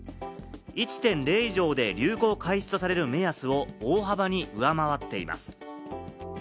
１．０以上で流行を開始とされる目安を大幅に上回っています。